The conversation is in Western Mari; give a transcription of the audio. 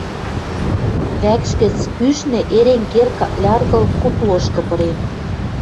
Вӓкш гӹц кӱшнӹ Эренгер, какляргыл, куп лошкы пырен.